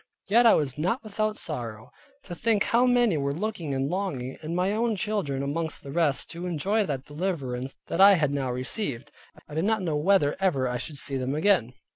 Yet I was not without sorrow, to think how many were looking and longing, and my own children amongst the rest, to enjoy that deliverance that I had now received, and I did not know whether ever I should see them again.